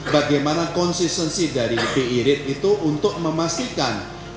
bagaimana konsistensi dari birip itu untuk memastikan